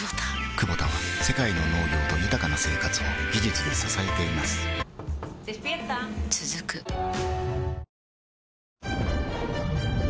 クボタは世界の農業と豊かな生活を技術で支えています起きて。